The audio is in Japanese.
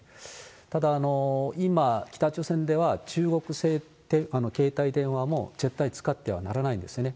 ただ、今、北朝鮮では中国製携帯電話も絶対使ってはならないんですよね。